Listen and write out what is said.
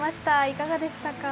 いかがでしたか。